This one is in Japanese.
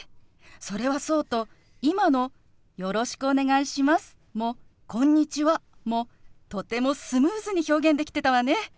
それはそうと今の「よろしくお願いします」も「こんにちは」もとてもスムーズに表現できてたわね。